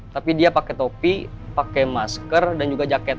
tapi dia pakai topi pakai masker dan juga jaket